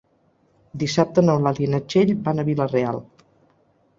Dissabte n'Eulàlia i na Txell van a Vila-real.